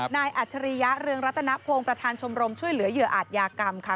อัจฉริยะเรืองรัตนพงศ์ประธานชมรมช่วยเหลือเหยื่ออาจยากรรมค่ะ